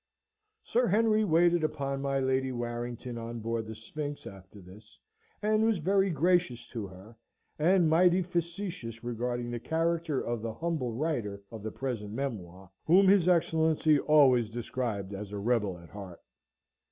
Sir Henry waited upon my Lady Warrington on board the Sphinx after this, and was very gracious to her, and mighty facetious regarding the character of the humble writer of the present memoir, whom his Excellency always described as a rebel at heart.